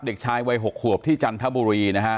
เด็กชายวัย๖ขวบที่จันทบุรีนะฮะ